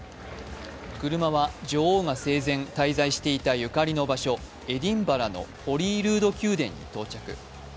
車は女王が生前滞在していたゆかりの場所、エディンバラのホリールード宮殿に到着。